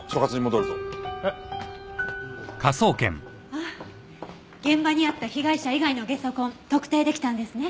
ああ現場にあった被害者以外のゲソ痕特定出来たんですね。